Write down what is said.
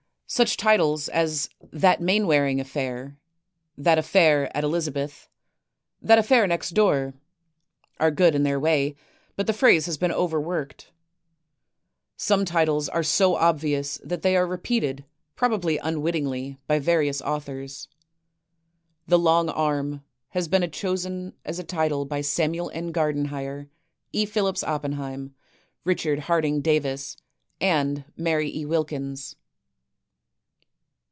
Such titles as, "That Mainwaring Affair," "That Affair at Elizabeth," 322 THE TECHNIQUE OF THE MYSTERY STORY "That Affair Next door are good in their way, but the phrase has been overworked. Some titles are so obvious that they are repeated, prob ably unwittingly, by various authors. " The Long Arm " has been chosen as a title by Samuel N. Gardenhire, E. Phillips Oppenheim, Richard Harding Davis, and Mary E. Wilkins.